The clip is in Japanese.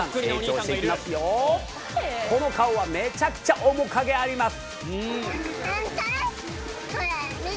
この顔はめちゃくちゃ面影あります。